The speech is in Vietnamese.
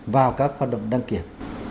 vào các hoạt động đăng kiểm